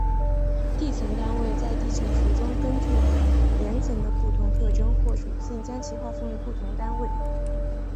地层单位在地层学中是指根据岩层的不同特征或属性将其划分成的不同单位。